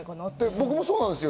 僕もそうなんですよ。